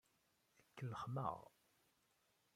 Tkellxem-aɣ.